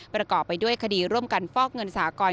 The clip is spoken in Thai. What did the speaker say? ประกอบไปด้วยคดีร่วมกันฟอกเงินสหกร